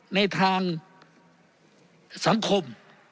ในทางสังคม